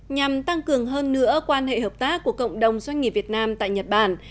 nhằm tăng cường hơn nữa quan hệ hợp tác của cộng đồng doanh nghiệp việt nam tại nhật bản